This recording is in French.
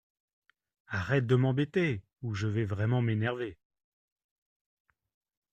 Arrête de m’embêter ou je vais vraiment m’énerver.